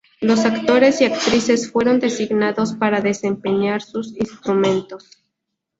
Los actores y actrices fueron designados para desempeñar sus instrumentos.